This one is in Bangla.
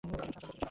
ব্রিটিশের শাসন।